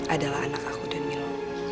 adalah anak aku dan mil